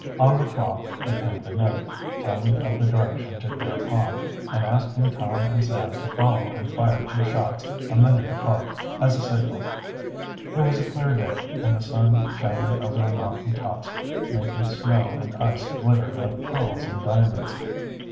On the cloth they pinned a note, telling of the direction to Bear Pond, and asking Tom and Sam to follow and fire two shots, a minute apart, as a signal. It was a clear day and the sun, shining over the mountain tops, made the snow and ice glitter like pearls and diamonds.